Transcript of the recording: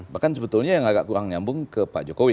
bahkan sebetulnya yang agak kurang nyambung ke pak jokowi